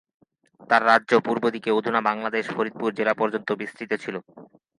তাঁর রাজ্য পূর্ব দিকে অধুনা বাংলাদেশের ফরিদপুর জেলা পর্যন্ত বিস্তৃত ছিল।